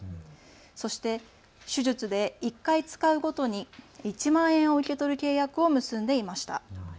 そして手術で１回使うごとに１万円を受け取る契約を結んでいました。